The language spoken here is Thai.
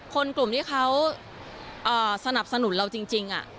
คนกลุ่มที่เขาสนับสนุนเราจริง